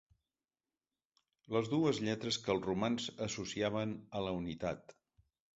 Les dues lletres que els romans associaven a la unitat.